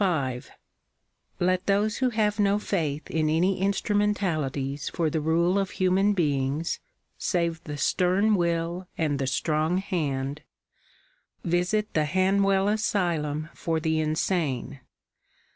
M Let those who have no faith in any instrumentalities for the rule of human beings, save the stern will and the strong hand, ) visit the Hanwell Asylum for the insane.